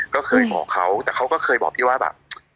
ก็เคยบอกเขาแต่เขาก็เคยบอกพี่ว่าแบบ